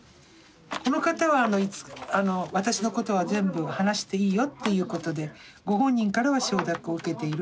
この方は私のことは全部話していいよっていうことでご本人からは承諾を受けている方です。